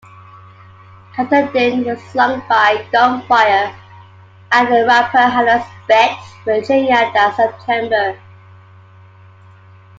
"Katahdin" was sunk by gunfire at Rappahannock Spit, Virginia, that September.